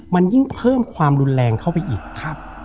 มันยิ่งเพิ่มความรุนแรงเข้าไปอีกครับ